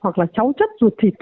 hoặc là cháu chất ruột thịt